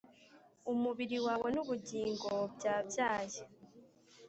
umubiri wawe nubugingo byabyaye